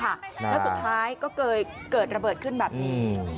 แล้วสุดท้ายก็เกิดระเบิดขึ้นแบบนี้